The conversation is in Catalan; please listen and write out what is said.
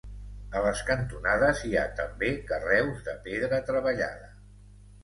A les cantonades hi ha també carreus de pedra treballada.